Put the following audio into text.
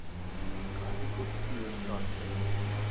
گاڏي ڪوتي اسٽاٽ ڇئي